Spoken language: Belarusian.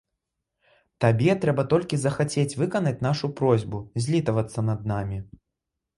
Табе трэба толькі захацець выканаць нашу просьбу, злітавацца над намі.